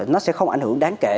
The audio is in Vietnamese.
nó sẽ không ảnh hưởng đáng kể